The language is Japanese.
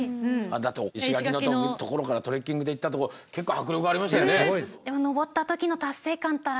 だって石垣のところからトレッキングで行ったところ結構迫力ありましたよね。